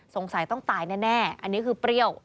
สงสัยต้องตายแน่อันนี้คือเปรี้ยว